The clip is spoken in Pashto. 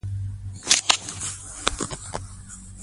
افغانان به سرلوړي وي.